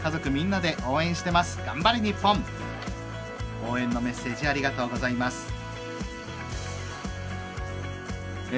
応援のメッセージありがとうございます。